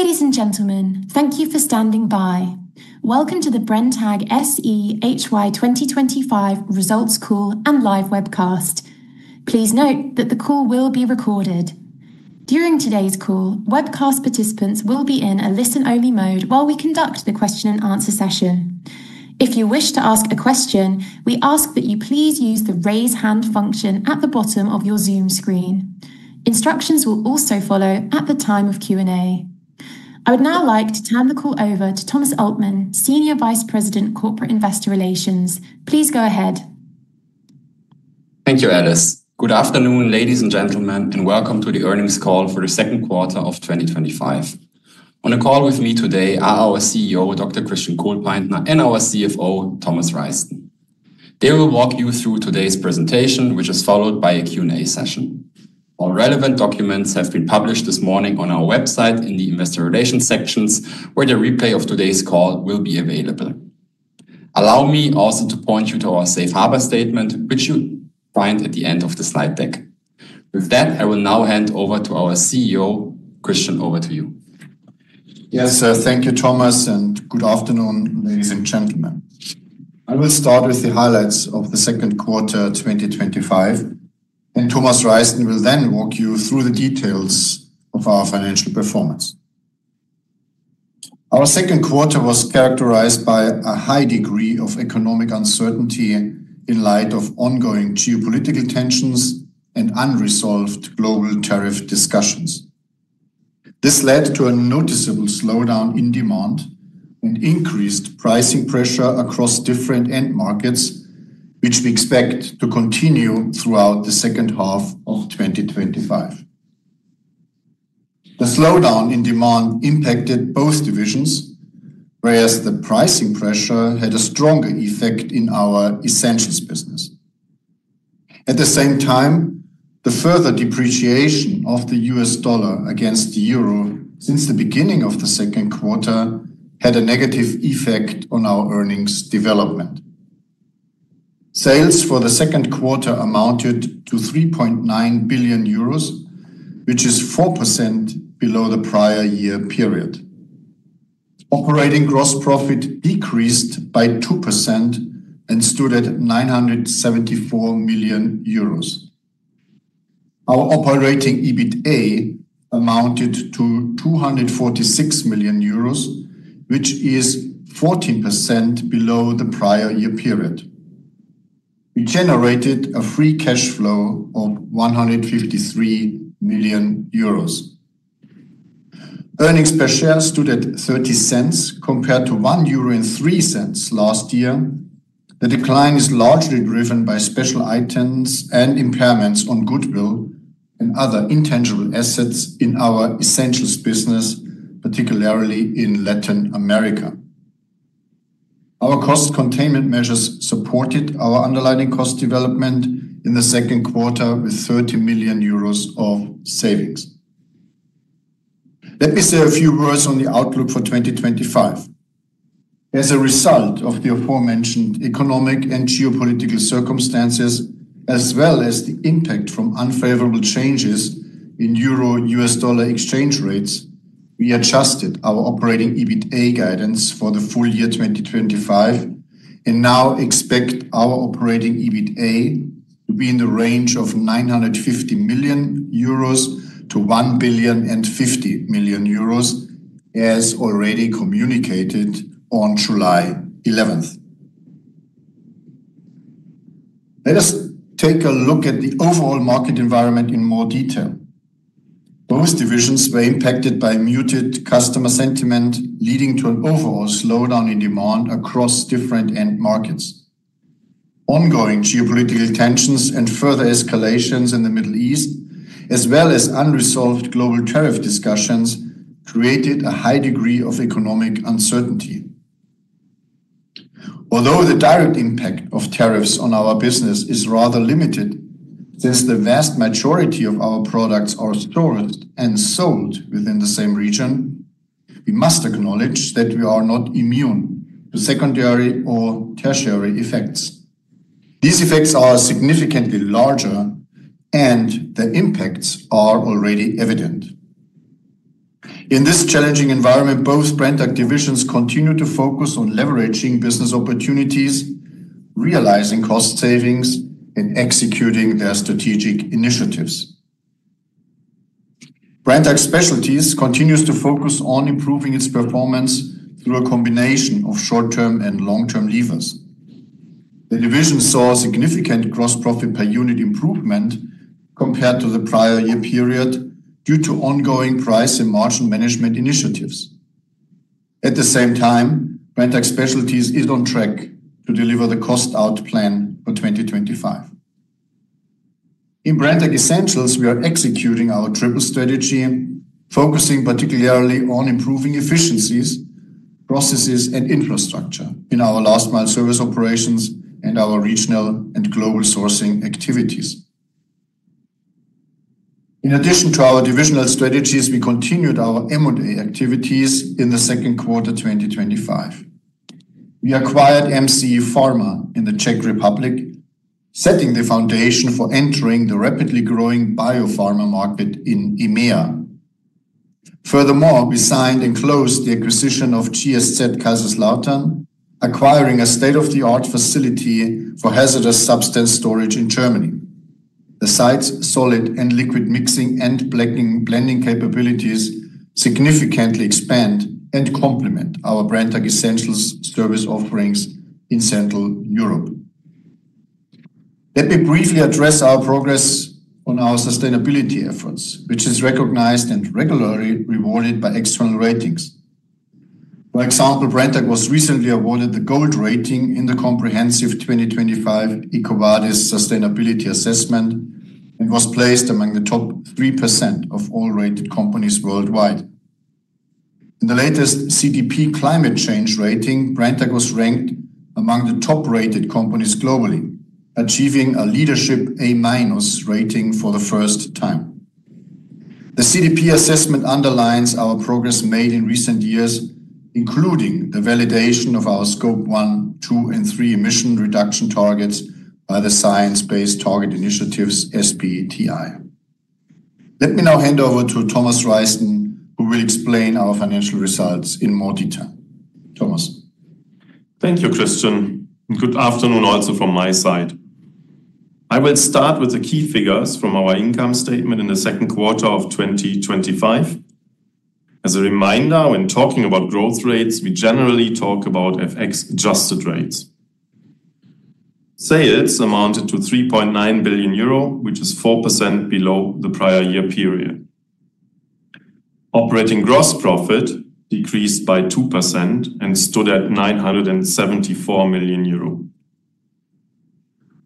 Ladies and gentlemen, thank you for standing by. Welcome to the Brenntag SE HY 2025 Results Call and Live Webcast. Please note that the call will be recorded. During today's call, webcast participants will be in a listen-only mode while we conduct the question and answer session. If you wish to ask a question, we ask that you please use the raise hand function at the bottom of your Zoom screen. Further instructions will also follow at the time of Q&A. I would now like to turn the call over to Thomas Altmann, Senior Vice President, Corporate Investor Relations. Please go ahead. Thank you, Alice. Good afternoon ladies and gentlemen and welcome to the earnings call for the second quarter of 2025. On a call with me today are our CEO Dr. Christian Kohlpaintner and our CFO Thomas Reisten. They will walk you through today's presentation, which is followed by a Q&A session. All relevant documents have been published this morning on our website in the investor relations section, where the replay of today's call will be available. Allow me also to point you to our Safe Harbor statement, which you find at the end of the slide deck. With that, I will now hand over to our CEO Christian. Over to you. Yes, thank you, Thomas. Good afternoon, ladies and gentlemen. I will start with the highlights of the second quarter 2025. Thomas Reisten will then walk you through the details of our financial performance. Our second quarter was characterized by a high degree of economic uncertainty in light of ongoing geopolitical tensions and unresolved global tariff discussions. This led to a noticeable slowdown in demand and increased pricing pressure across different end markets, which we expect to continue throughout the second half of 2025. The slowdown in demand impacted both divisions, whereas the pricing pressure had a stronger effect in our Essentials business. At the same time, the further depreciation of the U.S. dollar against the euro since the beginning of the second quarter had a negative effect on our earnings development. Sales for the second quarter amounted to 3.9 billion euros, which is 4% below the prior year period. Operating gross profit decreased by 2% and stood at 974 million euros. Our operating EBITDA amounted to 246 million euros, which is 14% below the prior year period. We generated a free cash flow of 153 million euros. Earnings per share stood at 0.30 compared to 1.03 euro last year. The decline is largely driven by special items and impairments on goodwill and other intangible assets in our Essentials business, particularly in Latin America. Our cost containment measures supported our underlying cost development in the second quarter with 30 million euros of savings. Let me say a few words on the outlook for 2025. As a result of the aforementioned economic and geopolitical circumstances, as well as the impact from unfavorable changes in euro/U.S. dollar exchange rates, we adjusted our operating EBITDA guidance for the full year 2025 and now expect our operating EBITDA to be in the range of 950 million euros- 1.05 billion, as already communicated on July 11th. Let us take a look at the overall market environment in more detail. Both divisions were impacted by muted customer sentiment, leading to an overall slowdown in demand across different end markets. Ongoing geopolitical tensions and further escalations in the Middle East, as well as unresolved global tariff discussions, created a high degree of economic uncertainty. Although the direct impact of tariffs on our business is rather limited, since the vast majority of our products are stored and sold within the same region, we must acknowledge that we are not immune to secondary or tertiary effects. These effects are significantly larger, and the impacts are already evident in this challenging environment. Both Brenntag divisions continue to focus on leveraging business opportunities, realizing cost savings, and executing their strategic initiatives. Brenntag Specialties continues to focus on improving its performance through a combination of short-term and long-term levers. The division saw significant gross profit per unit improvement compared to the prior year period due to ongoing price and margin management initiatives. At the same time, Brenntag Specialties is on track to deliver the cost-out plan for 2025. In Brenntag Essentials, we are executing our triple strategy, focusing particularly on improving efficiencies, processes, and infrastructure in our last mile service operations and our regional and global sourcing activities. In addition to our divisional strategies, we continued our M&A activities in the second quarter 2025. We acquired mcePharma in the Czech Republic, setting the foundation for entering the rapidly growing biopharma market in EMEA. Furthermore, we signed and closed the acquisition of GSZ Kaiserslautern, acquiring a state-of-the-art facility for hazardous substance storage in Germany. The site's solid and liquid mixing and blending capabilities significantly expand and complement our Brenntag Essentials service offerings in Central Europe. Let me briefly address our progress on our sustainability efforts, which is recognized and regularly rewarded by external ratings. For example, Brenntag was recently awarded the Gold rating in the comprehensive 2025 EcoVadis sustainability assessment. It was placed among the top 3% of all rated companies worldwide. In the latest CDP Climate Change rating, Brenntag was ranked among the top rated companies globally, achieving a Leadership A- rating for the first time. The CDP assessment underlines our progress made in recent years, including a validation of our Scope 1, 2, and 3 emission reduction targets by the Science Based Targets initiative, SBTi. Let me now hand over to Thomas Reisten who will explain our financial results in more detail. Thomas? Thank you, Christian. Good afternoon. Also from my side, I will start with the key figures from our income statement in the second quarter of 2025. As a reminder, when talking about growth rates, we generally talk about FX-adjusted rates. Sales amounted to 3.9 billion euro, which is 4% below the prior year period. Operating gross profit decreased by 2% and stood at 974 million euro.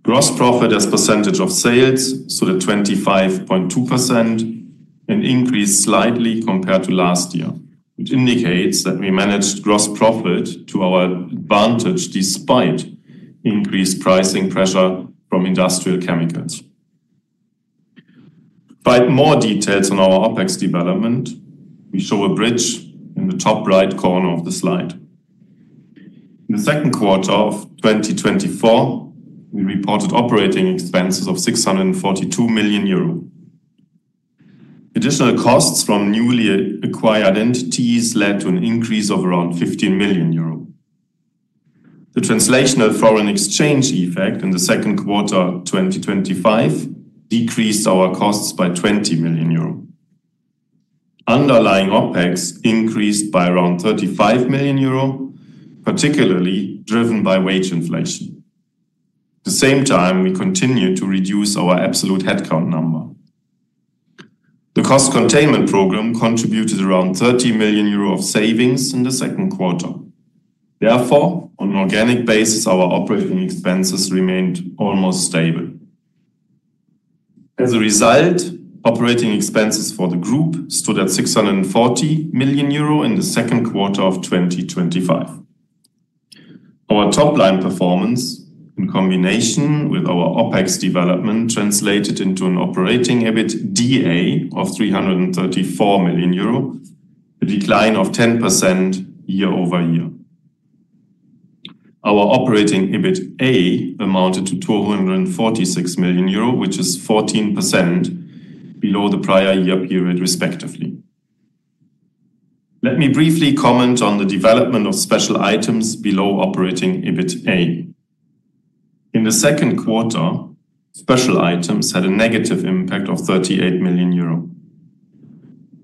Gross profit as percentage of sales stood at 25.2% and increased slightly compared to last year, which indicates that we managed gross profit to our advantage despite increased pricing pressure from industrial chemicals. For more details on our OpEx development, we show a bridge in the top right corner of the slide. In the second quarter of 2024, we reported operating expenses of 642 million euro. Additional costs from newly acquired entities led to an increase of around 15 million euro. The translational foreign exchange effect in the second quarter of 2025 decreased our costs by 20 million euro. Yes, underlying OpEx increased by around 35 million euro, particularly driven by wage inflation. At the same time, we continued to reduce our absolute headcount number. The cost containment program contributed around 30 million euro of savings in the second quarter. Therefore, on an organic basis, our operating expenses remained almost stable. As a result, operating expenses for the Group stood at 640 million euro in the second quarter of 2025. Our top line performance in combination with our OpEx development translated into an operating EBITDA of 334 million euro, a decline of 10% year-over-year. Our operating EBITA amounted to 246 million euro, which is 14% below the prior year period, respectively. Let me briefly comment on the development of special items below operating EBITA. In the second quarter, special items had a negative impact of 38 million euro.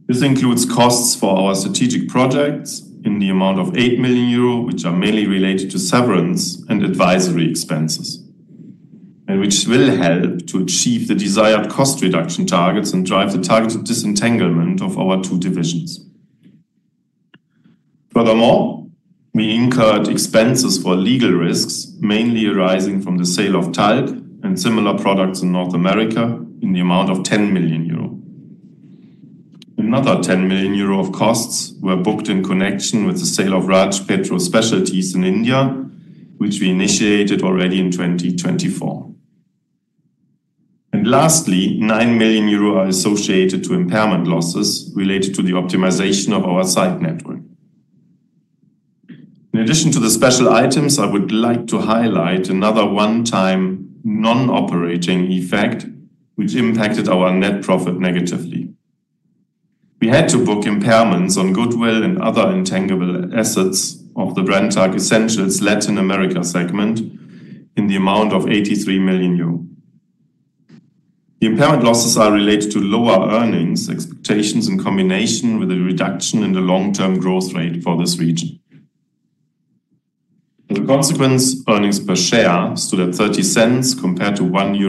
This includes costs for our strategic projects in the amount of 8 million euro, which are mainly related to severance and advisory expenses and which will help to achieve the desired cost reduction targets and drive the targeted disentanglement of our two divisions. Furthermore, we incurred expenses for legal risks mainly arising from the sale of talc and similar products in North America in the amount of 10 million euro. Another 10 million euro of costs were booked in connection with the sale of Raj Petro Specialties in India, which we initiated already in 2024, and lastly, 9 million euro are associated to impairment losses related to the optimization of our site network. In addition to the special items, I would like to highlight another one-time non-operating effect which impacted our net profit negatively. We had to book impairments on goodwill and other intangible assets of the Brenntag Essentials Latin America segment in the amount of 83 million euro. The impairment losses are related to lower earnings expectations in combination with a reduction in the long-term growth rate for this region. Consequently, earnings per share stood at 0.30 compared to 1.03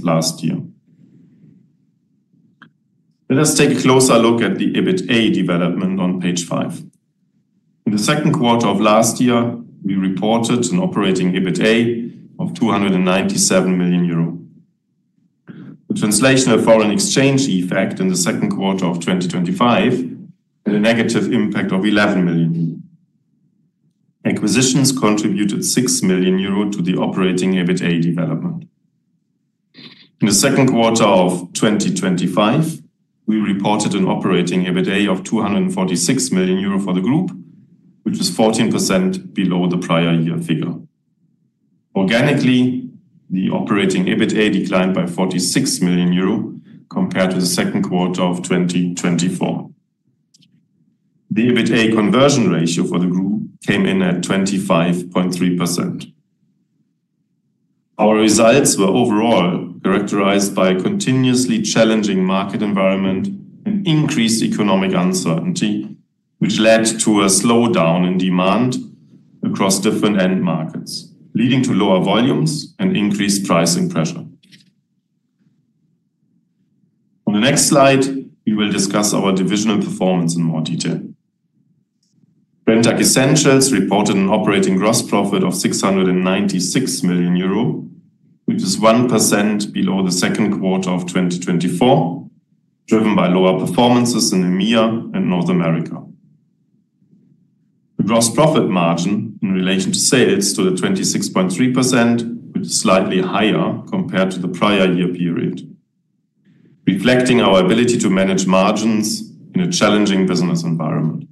euro last year. Let us take a closer look at the EBITDA development on page five. In the second quarter of last year, we reported an operating EBITDA of 297 million euro. Translational foreign exchange effect in the second quarter of 2025, the negative impact of 11 million. Acquisitions contributed 6 million euro to the operating EBITDA development. In the second quarter of 2025, we reported an operating EBITDA of 246 million euro for the group, which is 14% below the prior year figure. Organically, the operating EBITDA declined by 46 million euro compared to the second quarter of 2024. The EBITA conversion ratio for the group came in at 25.3%. Our results were overall characterized by a continuously challenging market environment and increased economic uncertainty, which led to a slowdown in demand across different end markets, leading to lower volumes and increased pricing pressure. On the next slide, we will discuss our divisional performance in more detail. Brenntag Essentials reported an operating gross profit of 696 million euro, which is 1% below the second quarter of 2024, driven by lower performances in EMEA and North America. The gross profit margin in relation to sales stood at 26.3%, which is slightly higher compared to the prior year period, reflecting our ability to manage margins in a challenging business environment.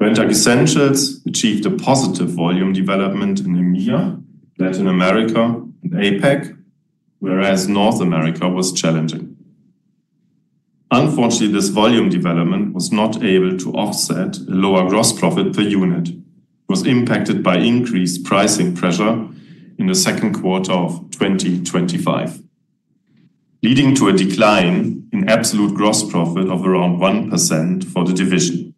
Brenntag Essentials achieved a positive volume development in EMEA, Latin America, and APAC, whereas North America was challenging. Unfortunately, this volume development was not able to offset a lower gross profit per unit, which was impacted by increased pricing pressure in the second quarter of 2025, leading to a decline in absolute gross profit of around 1% for the division.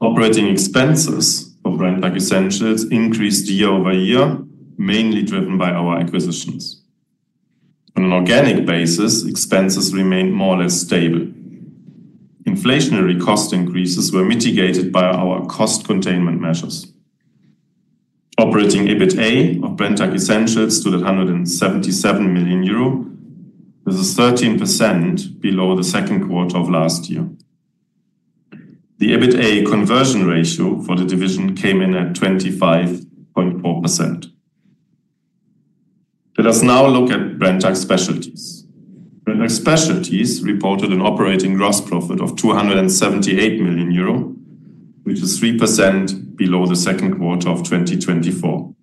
Operating expenses for Brenntag Essentials increased year-over-year, mainly driven by our acquisitions. On an organic basis, expenses remained more or less stable. Inflationary cost increases were mitigated by our cost containment measures. Operating EBITA of Brenntag Essentials stood at 177 million euro. This is 13% below the second quarter of last year. The EBITA conversion ratio for the division came in at 25.4%. Let us now look at Brenntag Specialties. Brenntag Specialties reported an operating gross profit of 278 million euro, which is 3% below the second quarter of 2024.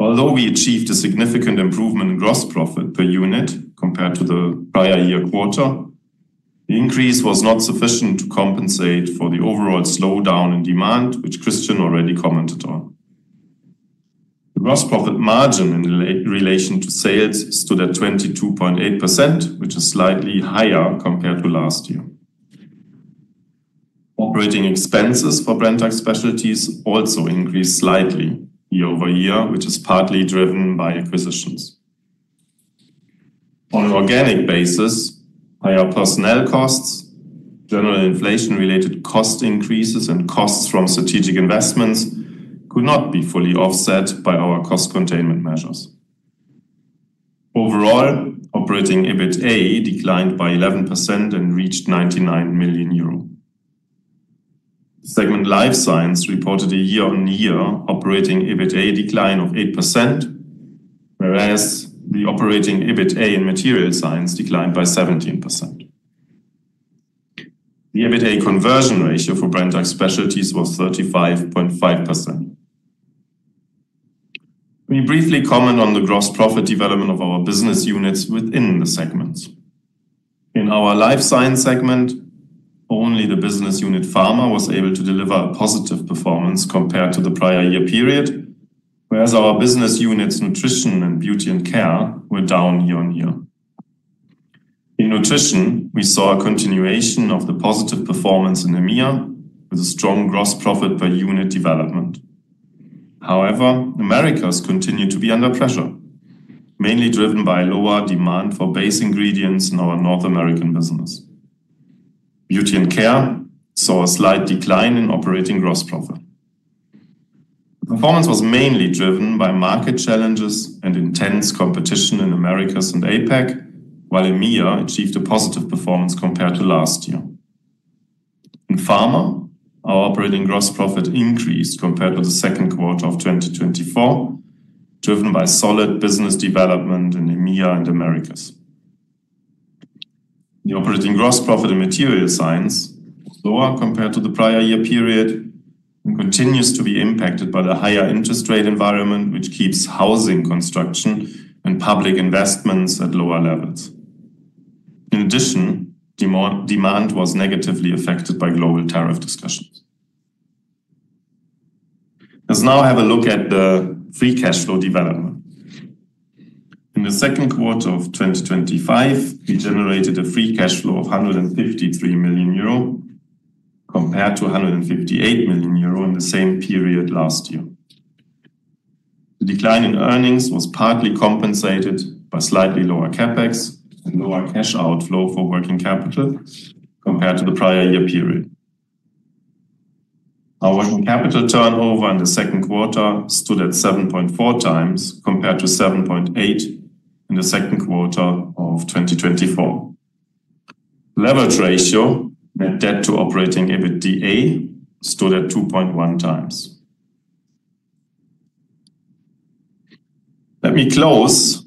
Although we achieved a significant improvement in gross profit per unit compared to the prior year quarter, the increase was not sufficient to compensate for the overall slowdown in demand, which Christian already commented on. The gross profit margin in relation to sales stood at 22.8%, which is slightly higher compared to last year. Operating expenses for Brenntag Specialties also increased slightly year-over-year, which is partly driven by acquisitions. On an organic basis, higher personnel costs, general inflation-related cost increases, and costs from strategic investments could not be fully offset by our cost containment measures. Overall, operating EBITDA declined by 11% and reached 99 million euro. Segment Life Science reported a year-on-year operating EBITDA decline of 8%, whereas the operating EBITDA in Material Science declined by 17%. The EBITA conversion ratio for Brenntag Specialties was 35.5%. We briefly comment on the gross profit development of our business units within the segments. In our Life Science segment, only the business unit Pharma was able to deliver a positive performance compared to the prior year period, whereas our business units Nutrition and Beauty & Care were down year-on-year. In Nutrition, we saw a continuation of the positive performance in EMEA with a strong gross profit per unit development. However, Americas continued to be under pressure, mainly driven by lower demand for base ingredients in our North American business. Beauty & Care saw a slight decline in operating gross profit. Performance was mainly driven by market challenges and intense competition in Americas and APAC, while EMEA achieved a positive performance compared to last year. In Pharma, our operating gross profit increased compared to the second quarter of 2024, driven by solid business development in EMEA and Americas. The operating gross profit in Material Science is lower compared to the prior year period and continues to be impacted by the higher interest rate environment, which keeps housing construction and public investments at lower levels. In addition, demand was negatively affected by [lower] tariff discussions. Let's now have a look at the free cash flow development. In the second quarter of 2025, we generated a free cash flow of 153 million euro compared to 158 million euro in the same period last year. The decline in earnings was partly compensated by slightly lower CapEx and lower cash outflow for working capital compared to the prior year period. Our working capital turnover in the second quarter stood at 7.4x compared to 7.8x in the second quarter of 2024. Leverage ratio net debt to operating EBITDA stood at 2.1x. Let me close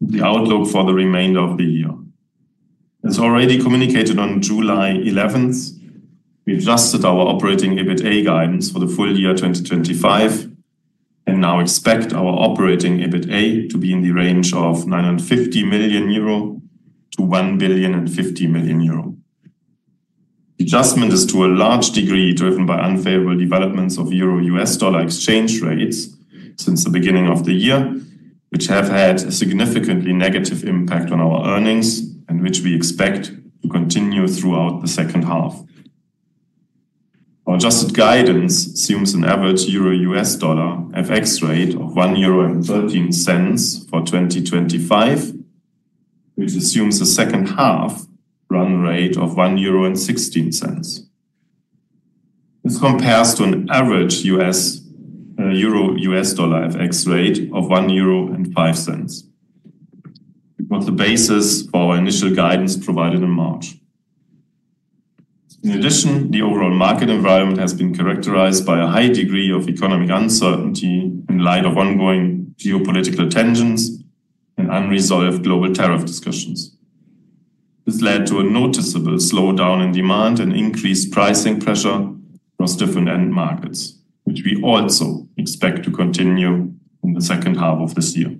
with the outlook for the remainder of the year. As already communicated on July 11th, we adjusted our operating EBITDA guidance for the full year 2025 and now expect our operating EBITDA to be in the range of 950 million-1,050,000,000 euro. The adjustment is to a large degree driven by unfavorable developments of euro/U.S. dollar exchange rates since the beginning of the year, which have had a significantly negative impact on our earnings and which we expect to continue throughout the second half. Our adjusted guidance assumes an average EUR/USD FX rate of 1.13 euro for 2025, which assumes a second half run rate of 1.16 euro. This compares to an average EUR/USD FX rate of 1.05 euro, which was the basis for initial guidance provided in March. In addition, the overall market environment has been characterized by a high degree of economic uncertainty in light of ongoing geopolitical tensions and unresolved global tariff discussions. This led to a noticeable slowdown in demand and increased pricing pressure across different end markets, which we also expect to continue in the second half of this year.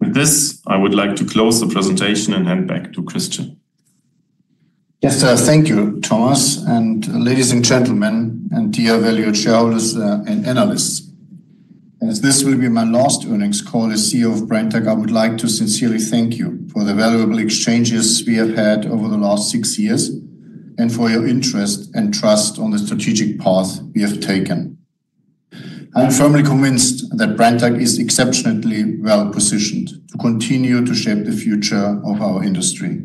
With this, I would like to close the presentation and hand back to Christian. Yes sir. Thank you, Thomas. Ladies and gentlemen, and dear valued shareholders and analysts, as this will be my last earnings call as CEO of Brenntag, I would like to sincerely thank you for the valuable exchanges we have had over the last six years and for your interest and trust on the strategic path we have taken. I'm firmly convinced that Brenntag is exceptionally well positioned to continue to shape the future of our industry.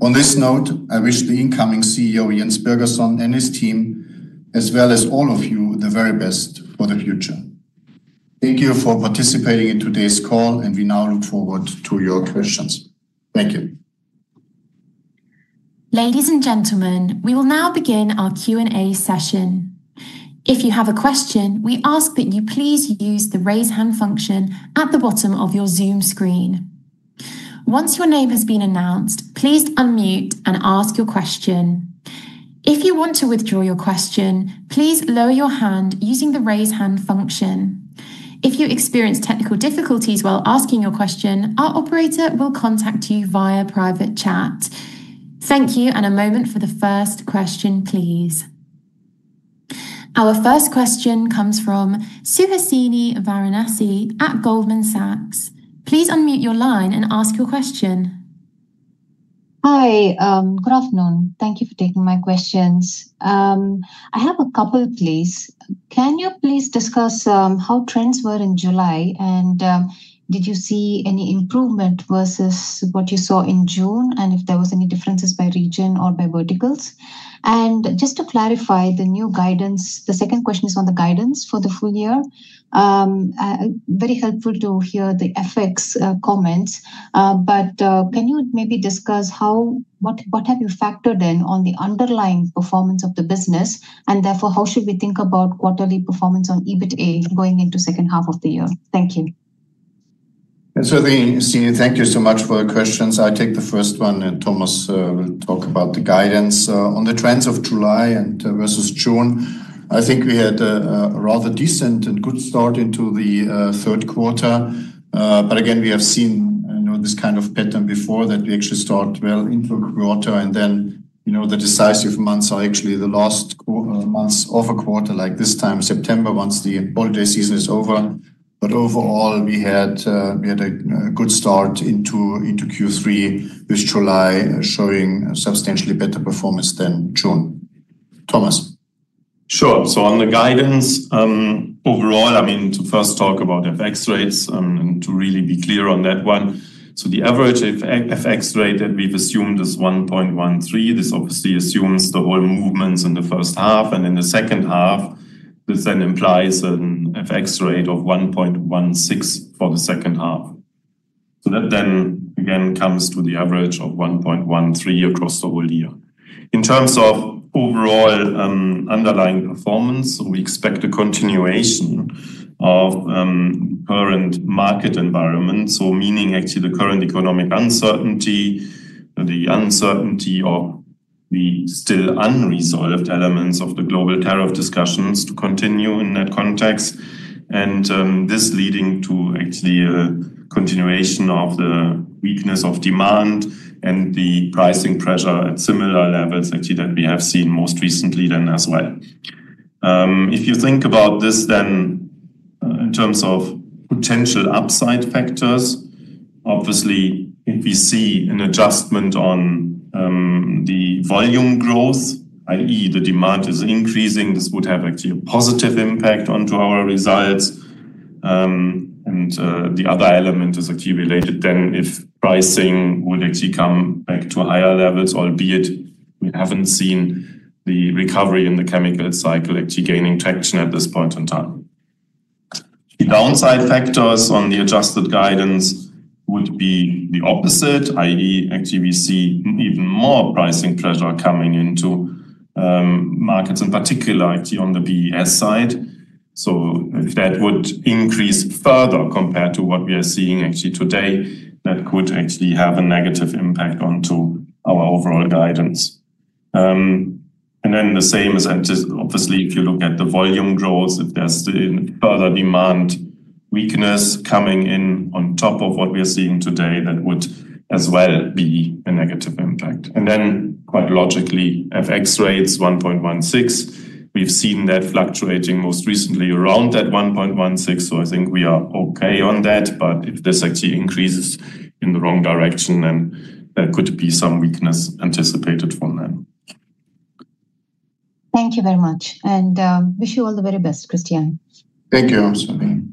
On this note, I wish the incoming CEO, Jens Birgersson, and his team as well as all of you the very best for the future. Thank you for participating in today's call and we now look forward to your questions. Thank you. Ladies and gentlemen, we will now begin our Q&A session. If you have a question, we ask that you please use the raise hand function at the bottom of your Zoom screen. Once your name has been announced, please unmute and ask your question. If you want to withdraw your question, please lower your hand using the raise hand function. If you experience technical difficulties while asking your question, our operator will contact you via private chat. Thank you, and a moment for the first question, please. Our first question comes from Suhasini Varanasi at Goldman Sachs. Please unmute your line and ask your question. Hi, good afternoon, thank you for taking my questions. I have a couple. Please, can you please discuss how trends were in July and did you see any improvement versus what you saw in June, and if there were any differences by region or by verticals? Just to clarify the new guidance, the second question is on the guidance for the full year. Very helpful to hear the FX comments, but can you maybe discuss what you have factored in on the underlying performance of the business and therefore how should we think about quarterly performance on EBITDA going into the second half of the year? Thank you so much for the questions. I take the first one and Thomas will talk about the guidance on the trends of July and versus June. I think we had a rather decent and good start into the third quarter, but again we have seen this kind of pattern before that we actually start well into quarter and then the decisive months are actually the last months of a quarter like this time September once the holiday season is over. Overall, we had a good start into Q3 with July showing substantially better performance than June. Thomas? Sure. On the guidance overall, to first talk about FX rates and to really be clear on that one. The average FX rate that we've assumed is 1.13. This obviously assumes the oil movements in the first half and in the second half. This then implies an FX rate of 1.16 for the second half. That then again comes to the average of 1.13 across the whole year. In terms of overall underlying performance, we expect a continuation of the current market environment, meaning actually the current economic uncertainty, the uncertainty of the still unresolved elements of the global tariff discussions to continue in that context and this leading to a continuation of the weakness of demand and the pricing pressure at similar levels that we have seen most recently. If you think about this in terms of potential upside factors, obviously if we see an adjustment on the volume growth, i.e. the demand is increasing, this would have a positive impact onto our results. The other element is accumulated, then if pricing would come back to higher levels, albeit we haven't seen the recovery in the chemical cycle actually gaining traction at this point in time. Downside factors on the adjusted guidance would be the opposite. That is, we see even more pricing pressure coming into markets, in particular on the BES side. That would increase further compared to what we are seeing today. That could have a negative impact onto our overall guidance. The same as, obviously, if you look at the volume growth, that's the further demand weakness coming in on top of what we are seeing today. That would as well be a negative impact. Quite logically, FX rates 1.16, we've seen that fluctuating most recently around that 1.16. I think we are okay on that, but if this increases in the wrong direction, then there could be some weakness anticipated from then. Thank you very much and wish you all the very best, Christian. Thank you, Suhasini.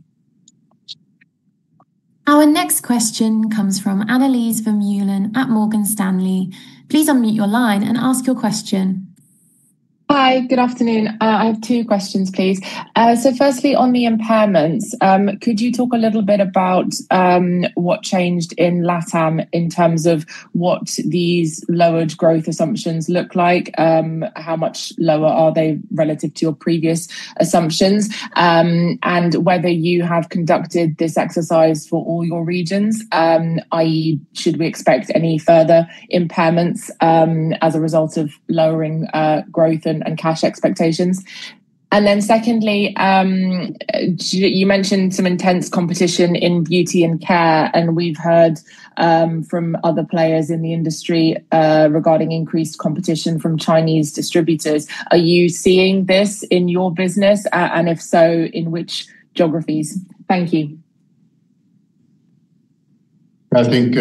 Our next question comes from Annelies Vermeulen at Morgan Stanley. Please unmute your line and ask your question. Hi, good afternoon. I have two questions please. Firstly, on the impairments, could you talk a little bit about what changed in LatAm in terms of what these lowered growth assumptions look like, how much lower are they relative to your previous assumptions, and whether you have conducted this exercise for all your regions. That is, should we expect any further impairments as a result of lowering growth and cash expectations. Secondly, you mentioned some intense competition in Beauty & Care and we've heard from other players in the industry regarding increased competition from Chinese distributors. Are you seeing this in your business, and if so, in which geographies. Thank you. I think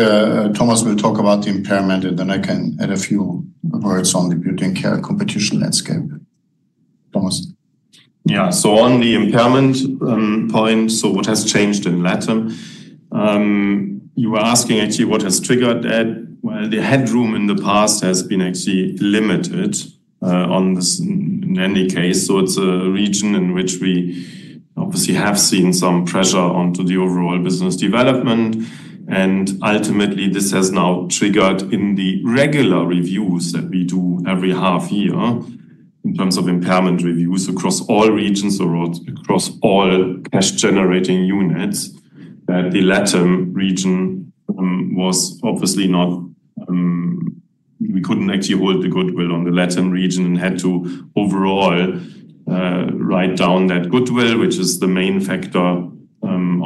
Thomas will talk about the impairment, and then I can add a few words on the Beauty & Care competition landscape. Thomas? Yeah. On the impairment point, what has changed in LatAm, you were asking actually what has triggered that? The headroom in the past has been actually limited on this in any case. It is a region in which we obviously have seen some pressure onto the overall business development. Ultimately, this has now triggered in the regular reviews that we do every half year in terms of impairment reviews across all regions or across all cash generating units. The LatAm region was obviously not. We couldn't actually hold the goodwill on the LatAm region and had to overall write down that goodwill, which is the main factor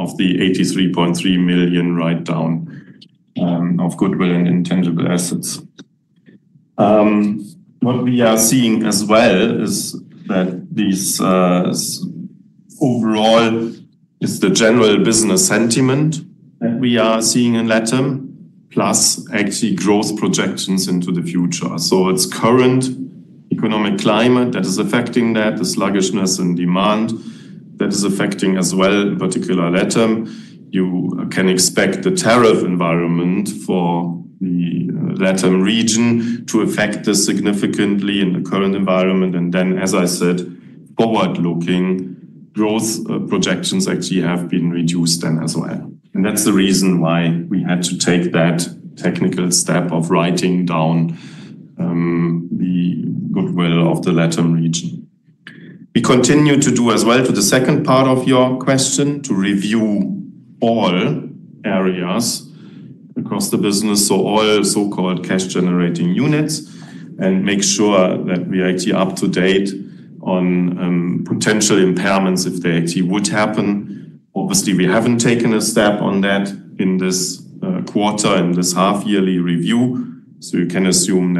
of the 83.3 million write-down of goodwill and intangible assets. What we are seeing as well is that this overall is the general business sentiment we are seeing in LatAm plus actually growth projections into the future. It is the current economic climate that is affecting that. The sluggishness in demand is affecting as well, in particular LatAm. You can expect the tariff environment for the LatAm region to affect this significantly in the current environment. As I said, forward-looking growth projections actually have been reduced then as well. That is the reason why we had to take that technical step of writing down the goodwill of the Latin America region. We continue to do as well, to the second part of your question, to review all areas across the business, so all so-called cash generating units, and make sure that we are actually up to date on potential impairments if they actually would happen. Obviously, we haven't taken a step on that in this quarter in this half-yearly review. You can assume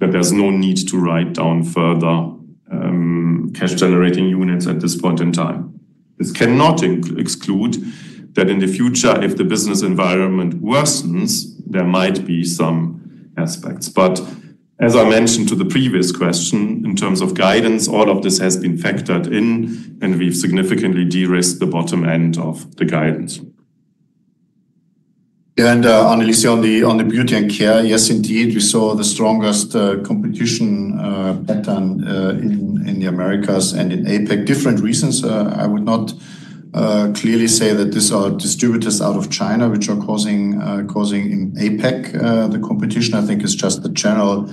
that there's no need to write down further cash generating units at this point in time. This cannot exclude that in the future, if the business environment worsens, there might be some aspects. As I mentioned to the previous question, in terms of guidance, all of this has been factored in and we've significantly de-risked the bottom end of the guidance. Annelies, on the Beauty & Care. Yes, indeed. We saw the strongest competition pattern in the Americas and in APAC for different reasons. I would not clearly say that these are distributors out of China which are causing in APAC the competition. I think it is just the general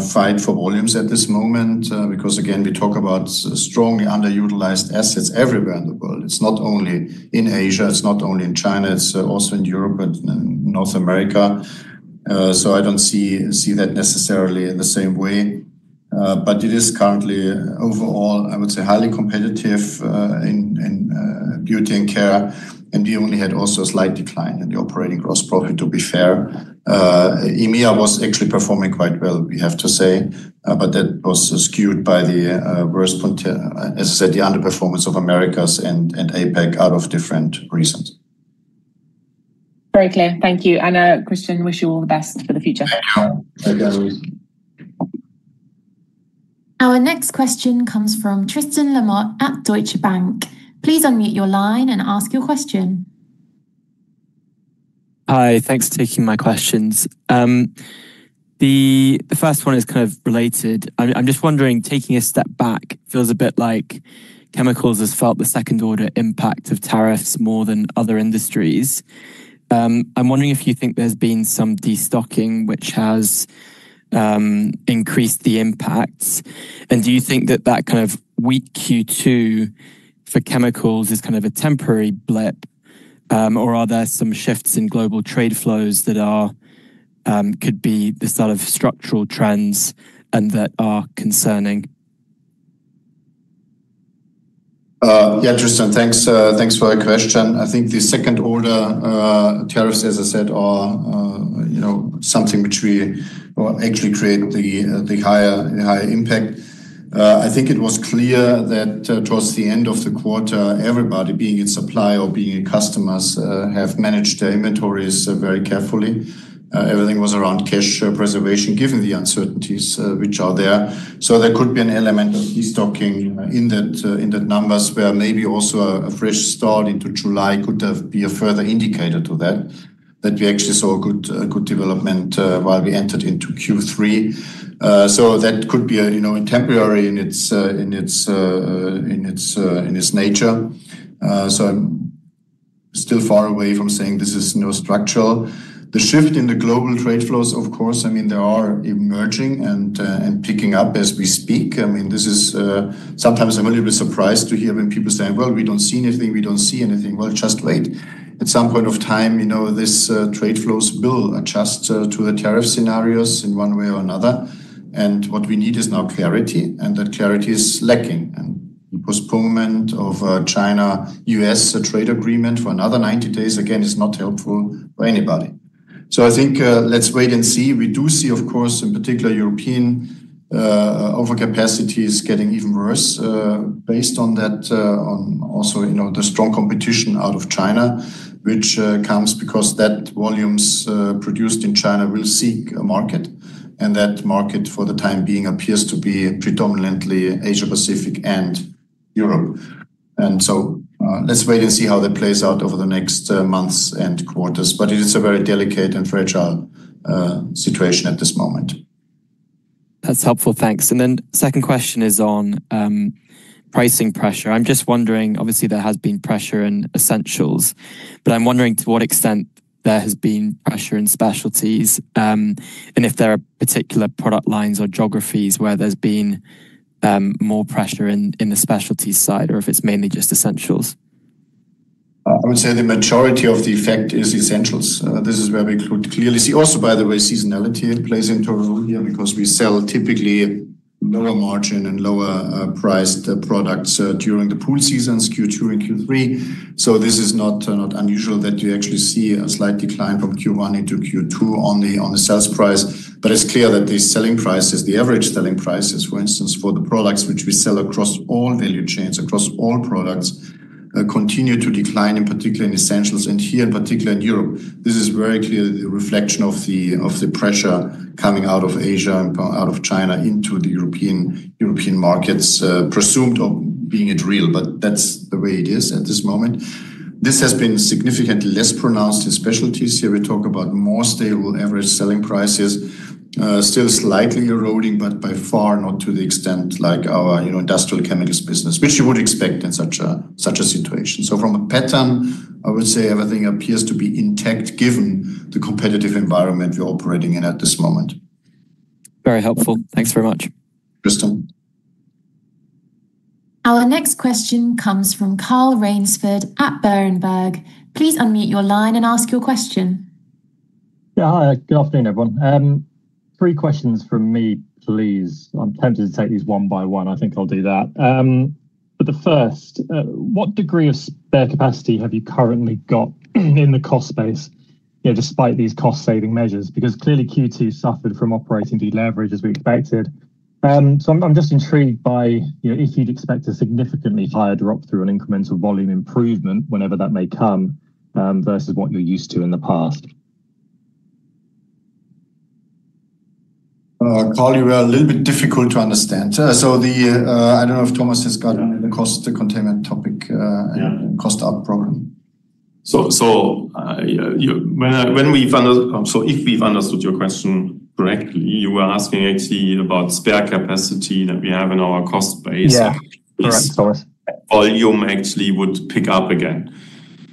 fight for volumes at this moment, because again we talk about strongly underutilized assets everywhere in the world. It's not only in Asia, it's not only in China, it's also in Europe and North America. I don't see that necessarily in the same way. It is currently overall, I would say, highly competitive in Beauty & Care and we only had also a slight decline in the operating gross profit. To be fair, EMEA was actually performing quite well, we have to say. That was skewed by as I said, the underperformance of Americas and APAC out of different reasons. Very clear. Thank you. Christian, wish you all the best for the future. Our next question comes from Tristan Lamotte at Deutsche Bank. Please unmute your line and ask your question. Hi, thanks for taking my questions. The first one is kind of related. I'm just wondering, taking a step back, it feels a bit like chemicals has felt the second order impact of tariffs more than other industries. I'm wondering if you think there's been some destocking which has increased the impacts, and do you think that that kind of weak Q2 for chemicals is kind of a temporary blip, or are there some shifts in global trade flows that could be the sort of structural trends and that are concerning. Yeah, Tristan, thanks. Thanks for your question. I think the second order tariffs, as I said, you know, are something which actually create the higher impact. I think it was clear that towards the end of the quarter everybody being in supply or being customers have managed their inventories very carefully. Everything was around cash preservation, given the uncertainties which are there. There could be an element of destocking in that number where maybe also a fresh start into July could be a further indicator to that, that we actually saw a good development while we entered into Q3. That could be temporary in its nature. I'm still far away from saying this is now a structural shift in the global trade flows. Of course, I mean, they are emerging and picking up as we speak. Sometimes I'm a little bit surprised to hear when people say we don't see anything, we don't see anything. Just wait. At some point of time these trade flows will adjust to the tariff scenarios in one way or another. What we need is now clarity, and that clarity is lacking. Postponement of the China U.S. Trade Agreement for another 90 days again is not helpful for anybody. I think let's wait and see. We do see, of course, in particular, European overcapacities getting even worse based on that and also, you know, the strong competition out of China, which comes because the volumes produced in China will seek a market, and that market for the time being appears to be predominantly Asia Pacific and Europe. Let's wait and see how that plays out over the next months and quarters. It is a very delicate and fragile situation at this moment. That's helpful, thanks. My second question is on pricing pressure. I'm just wondering, obviously there has been pressure in Essentials, but I'm wondering to what extent there has been pressure in Specialties and if there are particular product lines or geographies where there's been more pressure in the Specialties side or if it's mainly just Essentials. I would say the majority of the effect is essentials. This is where we could clearly see, also by the way, seasonality plays into a role here because we sell typically lower margin and lower priced products during the pool seasons Q2 and Q3. This is not unusual, that you actually see a slight decline from Q1 into Q2 on the sales price. It's clear that these selling prices, the average selling prices for instance for the products which we sell across all value chains, across all products, continue to decline, in particular in essentials. Here, in particular in Europe, this is very clear. The reflection of the pressure coming out of Asia and out of China into the European markets, presumed or being it real, that's the way it is at this moment. This has been significantly less pronounced in specialties. Here we talk about more stable average selling prices, still slightly eroding, but by far not to the extent like our industrial chemistry business, which you would expect in such a situation. From a pattern, I would say everything appears to be intact given the competitive environment we're operating in at this moment. Very helpful, thanks very much. Our next question comes from Carl Raynsford at Berenberg. Please unmute your line and ask your question. Yeah, hi, good afternoon everyone. Three questions from me please. I'm tempted to take these one by one. I think I'll do that. The first, what degree of spare capacity have you currently got in the cost base despite these cost saving measures? Clearly, Q2 suffered from operating deleverage as we expected. I'm just intrigued by if you'd expect a significantly higher drop through and incremental volume improvement whenever that may come versus what you're used to in the past. Carl, you were a little bit difficult to understand. I don't know if Thomas has gotten in the cost containment topic, cost up problem. If we've understood your question correctly, you were asking about spare capacity that we have in our cost base if volume actually would pick up again.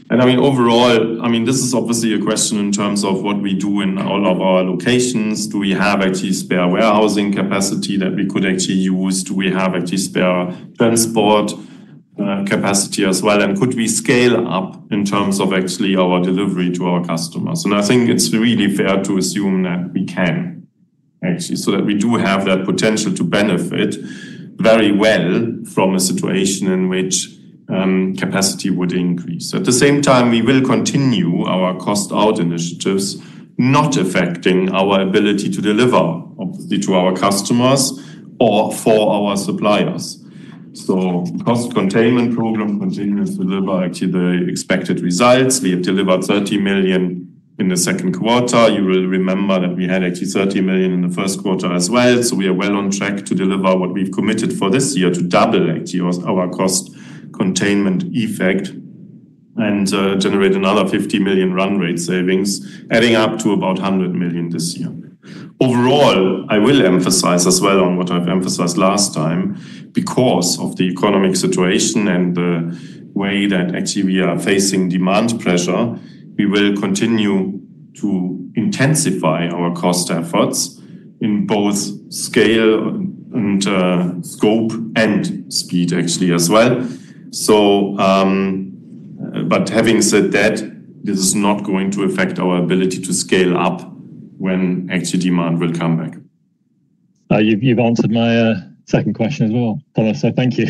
I mean overall, this is obviously a question in terms of what we do in all of our locations. Do we have actually spare warehousing capacity that we could actually use? Do we have at least spare transport capacity as well? Could we scale up in terms of actually our delivery to our customers? I think it's really fair to assume that we can actually, so that we do have that potential to benefit very well from a situation in which capacity would increase. At the same time, we will continue our cost out initiatives, not affecting our ability to deliver obviously to our customers or for our suppliers. The cost containment program continues to deliver actually the expected results. We delivered 30 million in the second quarter. You will remember that we had actually 30 million in the first quarter as well. We are well on track to deliver what we've committed for this year, to double actually our cost containment effect and generate another 50 million run rate savings, adding up to about 100 million this year overall. I will emphasize as well on what I've emphasized last time because of the economic situation and the way that actually we are facing demand pressure. We will continue to intensify our cost efforts in both scale and scope and speed actually as well. Having said that, this is not going to affect our ability to scale up when actually demand will come back. You've answered my second question as well, so thank you.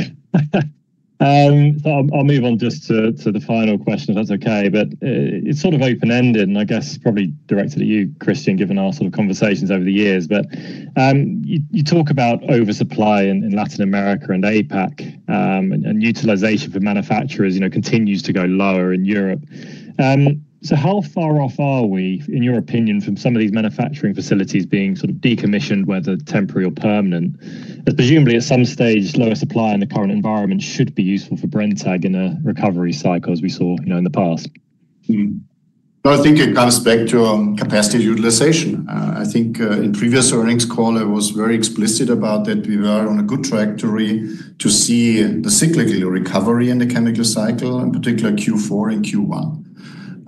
I'll move on just to the final question, if that's okay, but it's sort of open ended and I guess probably directed at you, Christian, given our sort of conversations over the years. You talk about oversupply in Latin America and APAC, and utilization for manufacturers continues to go lower in Europe. How far off are we, in your opinion, from some of these manufacturing facilities being sort of decommissioned, whether temporary or permanent, as presumably at some stage lower supply in the current environment should be useful for Brenntag in a recovery cycle as we saw in the past. I think it comes back to capacity utilization. I think in previous earnings call I was very explicit about that we were on a good trajectory to see the cyclical recovery in the chemical cycle, in particular Q4 and Q1,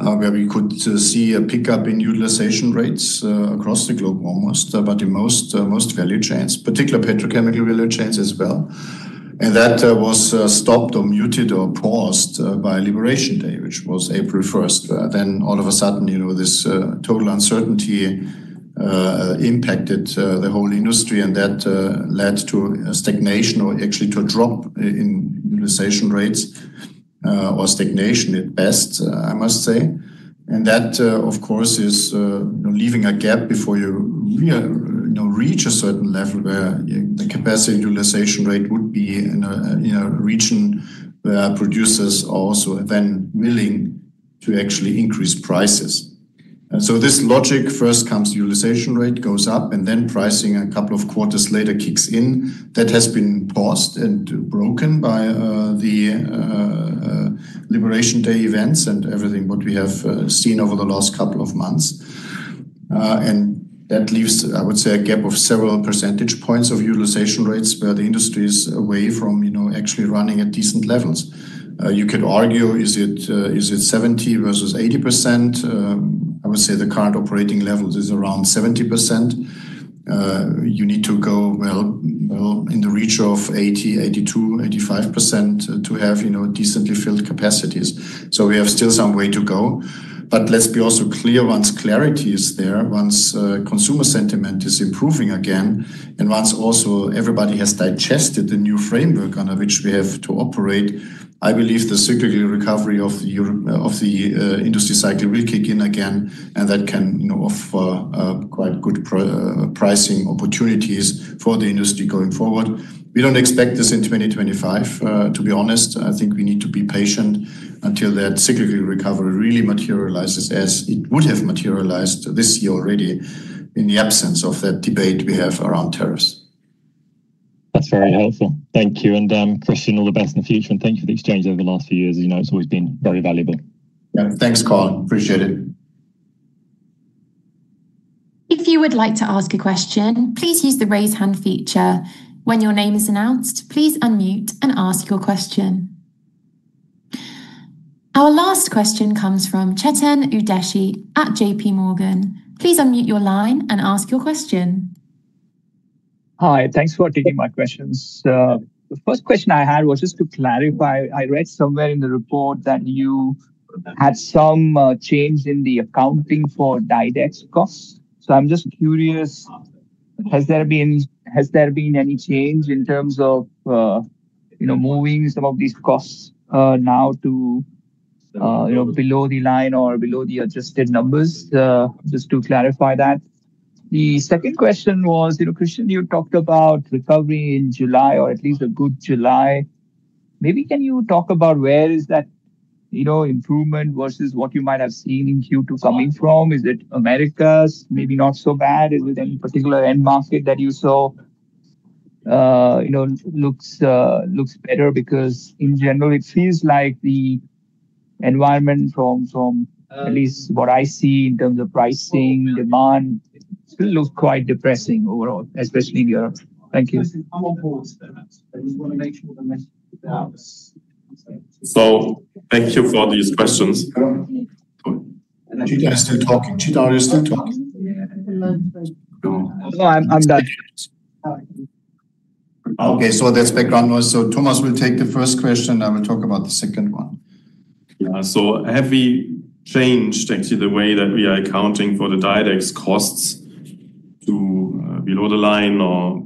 where we could see a pickup in utilization rates across the globe almost, but in most value chains, particularly petrochemical value chains as well. That was stopped, muted, or paused by Liberation Day, which was April 1st. All of a sudden this total uncertainty impacted the whole industry and that led to stagnation or actually to a drop in utilization rates or stagnation at best, I must say. That of course is leaving a gap before you reach a certain level where the capacity utilization rate would be in a region where producers also then willing to actually increase prices. This logic first comes utilization rate goes up and then pricing a couple of quarters later kicks in. That has been paused and broken by the Liberation Day events and everything we have seen over the last couple of months. That leaves, I would say, a gap of several percentage points of utilization rates where the industry is away from actually running at decent levels. You could argue is it 70% versus 80%. We'll say the current operating levels is around 70% or you need to go well in the reach of 80%, 82%, 85% to have decently filled capacities. We have still some way to go. Let's be also clear, once clarity is there, once consumer sentiment is improving again, and once also everybody has digested the new framework under which we have to operate, I believe the cyclical recovery of the industry cycle will kick in again. That can offer quite good pricing opportunities for the industry going forward. We don't expect this in 2025, to be honest. I think we need to be patient until that cyclical recovery really materializes as it would have materialized this year already in the absence of that debate we have around tariffs. That's very helpful. Thank you. Christian, all the best in the future and thank you for the exchange over the last few years. It's always been very valuable. Thanks, Carl. Appreciate it. If you would like to ask a question, please use the raise hand feature. When your name is announced, please unmute and ask your question. Our last question comes from Chetan Udeshi at JPMorgan. Please unmute your line and ask your question. Hi, thanks for taking my questions. The first question I had was just to clarify, I read somewhere in the report that you had some change in the accounting for DiDEX costs. I'm just curious, has there been any change in terms of moving some of these costs now to below the line or below the adjusted numbers? Just to clarify that. The second question was, Christian, you talked about recovery in July or at least a good July maybe. Can you talk about where is that improvement versus what you might have seen in Q2 coming from? Is it Americas maybe not so bad with any particular end market that you saw looks better? Because in general it feels like the environment from at least what I see in terms of pricing demand still looks quite depressing overall, especially [here]. Thank you. Thank you for these questions. Chetan, are you still talking? Chetan, are you still talking? No, I'm done. Okay, there's background noise. Thomas will take the first question. I will talk about the second one. Have we changed actually the way that we are accounting for the DiDEX costs to below the line or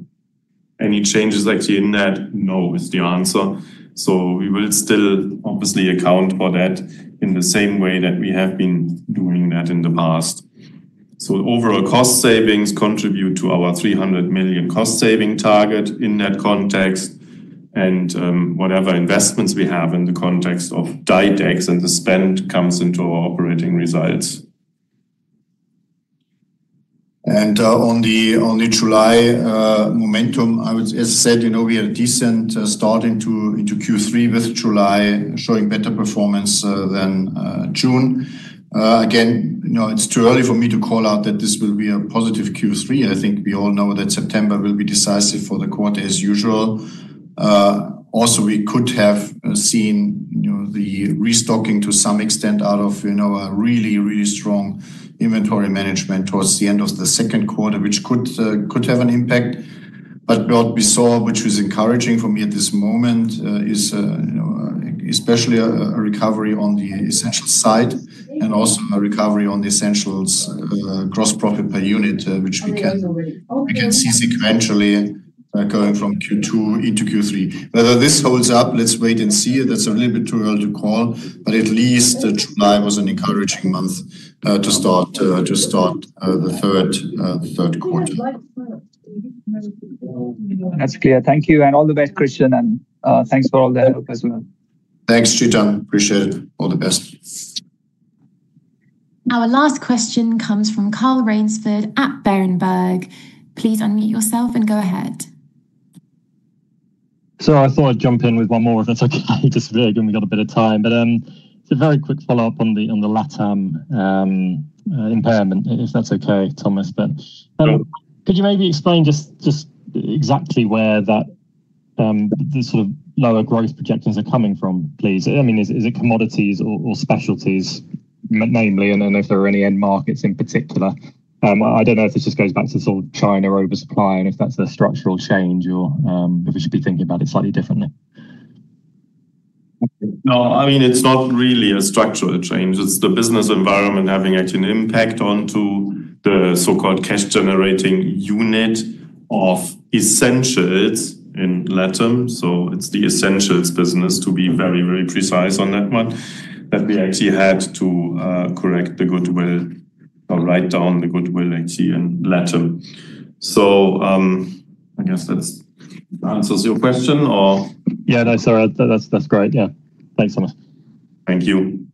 any changes like the Internet? No is the answer. We will still obviously account for that in the same way that we have been doing that in the past. Overall cost savings contribute to our 300 million cost saving target in that context, and whatever investments we have in the context of DiDEX and the spend comes into our operating results. On the July momentum, as I said, we had a decent start into Q3 with July showing better performance than June. Again, it's too early for me to call out that this will be a positive Q3. I think we all know that September will be decisive for the quarter as usual. Also, we could have seen the restocking to some extent out of really, really strong inventory management towards the end of the second quarter, which could have an impact. What we saw, which is encouraging for me at this moment, is especially a recovery on the essentials side and also a recovery on the essentials gross profit per unit, which we can see sequentially going from Q2 into Q3. Whether this holds up, let's wait and see. That's a little bit too early to call, but at least July was an encouraging month to start the third quarter. That's clear. Thank you. All the best, Christian, and thanks for all the effort as well. Thanks, Chetan. Appreciate it. All the best. Our last question comes from Carl Raynsford at Berenberg. Please unmute yourself and go ahead. I thought I'd jump in with one more. We've got a bit of time, but it's a very quick follow-up on the LatAm impairment, if that's okay, Thomas. Could you maybe explain just exactly where that sort of lower growth projections are coming from, please? I mean, is it commodities or specialties, namely, and then if there are any end markets in particular? I don't know if this just goes back to China, oversupply, and if that's the structural change or if we should be thinking about it slightly differently. No, I mean it's not really a structural change. It's the business environment having actually an impact onto the so-called cash generating unit of Essentials in LatAm. It's the Essentials business, to be very, very precise on that one, that we actually had to correct the goodwill or write down the goodwill in LatAm. I guess that answers your question, yeah. No, that's alright. That's great. Yeah, thanks, Thomas. Thank you.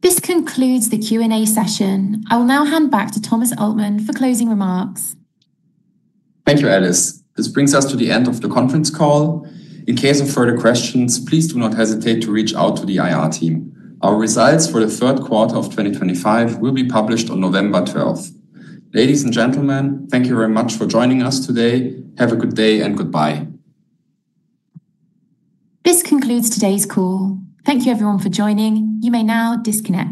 This concludes the Q&A session. I will now hand back to Thomas Altmann for closing remarks. Thank you, Alice. This brings us to the end of the conference call. In case of further questions, please do not hesitate to reach out to the IR team. Our results for the third quarter of 2025 will be published on November 12. Ladies and gentlemen, thank you very much for joining us today. Have a good day and goodbye. This concludes today's call. Thank you everyone for joining. You may now disconnect.